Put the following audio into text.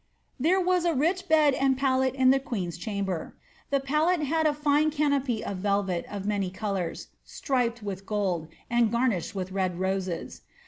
There was a rich bed and pallet in the queen's chamber : the pallet had a fine canopy of velvet of many colours, striped with gold, and garnished with red roses.